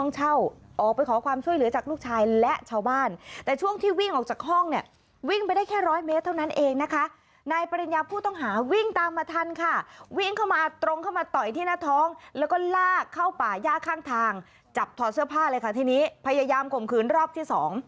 จับถอดเสื้อผ้าเลยค่ะที่นี้พยายามข่มขืนรอบที่สอง